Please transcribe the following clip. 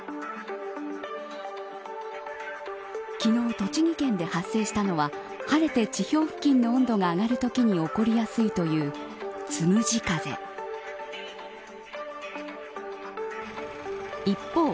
昨日、栃木県で発生したのは晴れて地表付近の温度が上がると起こりやすいという、つむじ風。